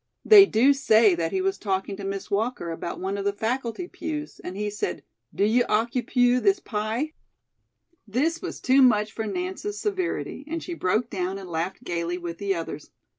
"They do say that he was talking to Miss Walker about one of the faculty pews, and he said: 'Do you occupew this pi?'" This was too much for Nance's severity, and she broke down and laughed gaily with the others.